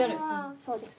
そうです。